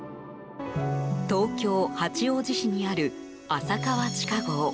東京・八王子市にある浅川地下壕。